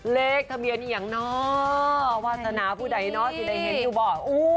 เลขทะเบียนเองเนาะวาสนาผู้ใดเนาะที่ใดเห็นที่บอก